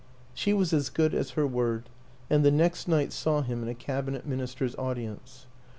She was as good as her word, and the next night saw him in a Cabinet Minister's audience.